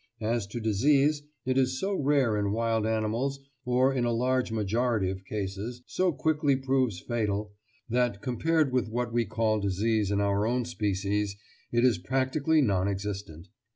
As to disease, it is so rare in wild animals, or in a large majority of cases so quickly proves fatal, that, compared with what we call disease in our own species, it is practically non existent.